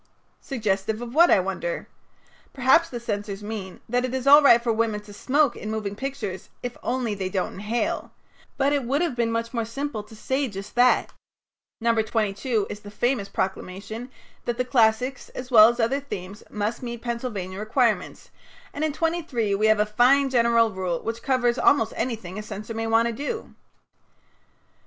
Suggestive of what, I wonder? Perhaps the censors mean that it is all right for women to smoke in moving pictures if only they don't inhale, but it would have been much more simple to have said just that. No. 22 is the famous proclamation that the classics, as well as other themes, must meet Pennsylvania requirements, and in 23 we have a fine general rule which covers almost anything a censor may want to do.